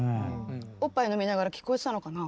おっぱい飲みながら聞こえてたのかな？